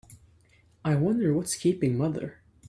I wonder what's keeping mother?